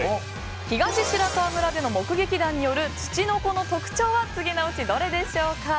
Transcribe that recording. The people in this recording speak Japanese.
東白川村での目撃談によるつちのこの特徴は次のうちどれでしょうか？